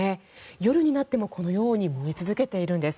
夜になっても、このように燃え続けているんです。